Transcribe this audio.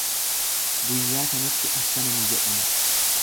Guyyaa sanatti akkana ni jedhama.